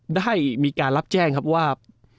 ได้มีการรับแจ้งครับว่า